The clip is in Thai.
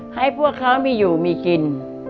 ให้พวกเขามีอยู่มีกิน